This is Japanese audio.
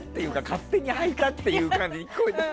勝手にはいたっていう感じで。